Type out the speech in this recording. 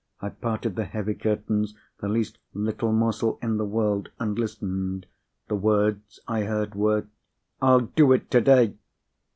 I parted the heavy curtains the least little morsel in the world, and listened. The words I heard were, "I'll do it today!"